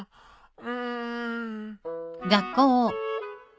うん。